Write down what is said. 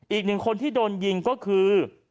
อีกหนึ่งคนที่โดนยิงก็คือ